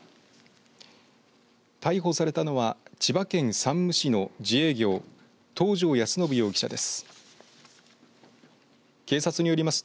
逮捕されたのは千葉県山武市の自営業東條安伸容疑者です。